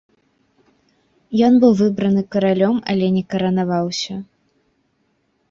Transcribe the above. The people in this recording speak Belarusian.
Ён быў выбраны каралём, але не каранаваўся.